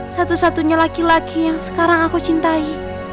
satu satunya laki laki yang sekarang aku cintai